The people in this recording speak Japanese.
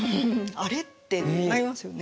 「あれ？」ってなりますよね。